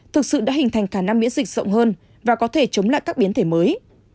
thực sự đã hình thành khả năng miễn dịch rộng hơn và có thể chống lại các biến thể mới